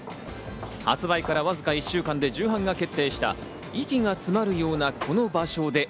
発売からわずか１週間で重版が決定した『息が詰まるようなこの場所で』。